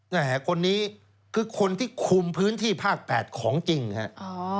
คนนี้คือคนที่คุมพื้นที่ภาค๘ของจริงครับ